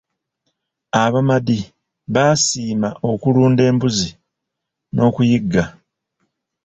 Abamadi baasiima okulunda embuzi n'okuyigga.